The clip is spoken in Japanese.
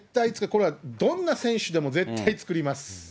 これはどんな選手でも絶対作ります。